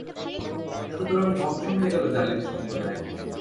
সুতরাং ধ্বংস হয়ে গেল জালিম সম্প্রদায়।